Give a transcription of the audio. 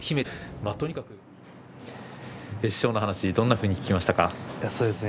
師匠の話、どんなふうに聞きましたか。